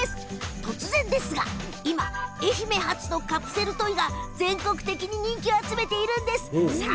突然ですが今、愛媛発のカプセルトイが全国的に人気を集めているんです。